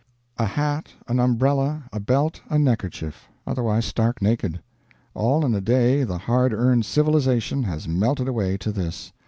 A hat, an umbrella, a belt, a neckerchief. Otherwise stark naked. All in a day the hard earned "civilization" has melted away to this.